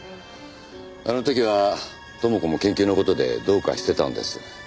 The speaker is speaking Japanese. あの時は知子も研究の事でどうかしてたんです。